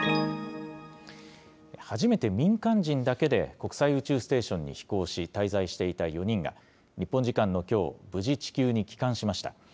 初めて民間人だけで国際宇宙ステーションに飛行し、滞在していた４人が、日本時間のきょう、無事地球に帰還しました。